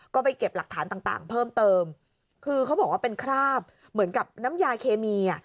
ก็ไปเก็บหลักฐานต่างต่างเพิ่มเติมคือเขาบอกว่าเป็นคราบเหมือนกับน้ำยาเคมีอ่ะ